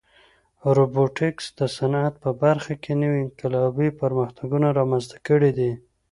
روبوټیکس د صنعت په برخه کې نوې انقلابي پرمختګونه رامنځته کړي دي.